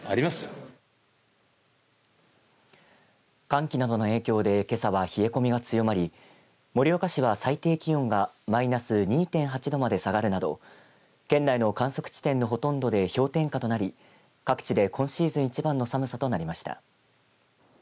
寒気などの影響でけさは冷え込みが強まり盛岡市は最低気温がマイナス２．８度まで下がるなど県内の観測地点のほとんどで氷点下となり各地で今シーズン一番の寒さとなりました。